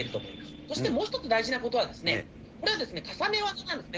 そしてもう一つ大事なことは、これは重ね技なんですね。